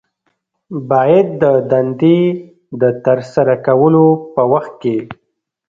باید د دندې د ترسره کولو په وخت کې